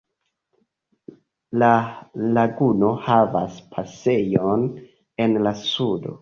La laguno havas pasejon en la sudo.